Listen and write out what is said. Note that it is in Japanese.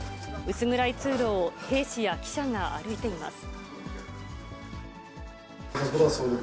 薄暗い通路を兵士や記者が歩いています。